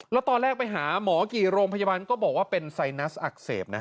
แล้วตอนแรกไปหาหมอกี่โรงพยาบาลก็บอกว่าเป็นไซนัสอักเสบนะ